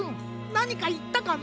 なにかいったかの？